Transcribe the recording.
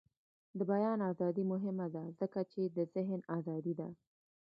د بیان ازادي مهمه ده ځکه چې د ذهن ازادي ده.